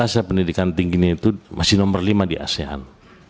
nah prosentase pendidikan tinggi ini itu masih nomor lima di asean